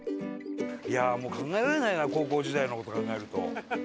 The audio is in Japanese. もう考えられないな高校時代の事考えると。